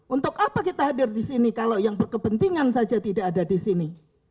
untuk apa kita hadir di sini kalau yang berkepentingan saja tidak ada di sini